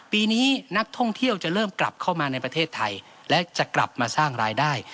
ปีนี้นักท่องเที่ยวจะเริ่มกลับเข้ามาในประเทศไทยและจะกลับมาสร้างรายได้